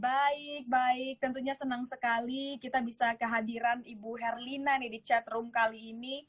baik baik tentunya senang sekali kita bisa kehadiran ibu herlina nih di chat room kali ini